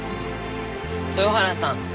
豊原さん